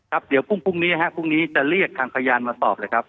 ครับเดี๋ยวพรุ่งนี้พรุ่งนี้จะเรียกทางพยานมาสอบเลยครับ